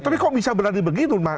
tapi kok bisa berani begitu